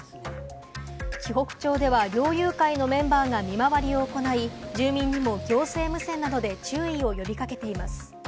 紀北町では猟友会のメンバーが見回りを行い、住民にも行政無線などで注意を呼び掛けています。